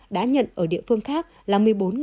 đã nhận ở địa phương khác là một mươi bốn